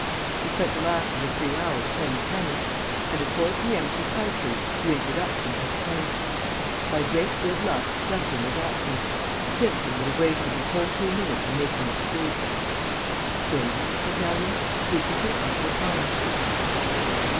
We spent the last of the three hours playing tennis, and at four p.m. precisely the introduction took place. By great good luck Duncan was absent; Simpson would have wasted his whole two minutes in making it squeak. "Baby," said Dahlia, "this is your Uncle Thomas."